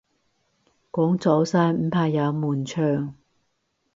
講早晨唔怕有悶場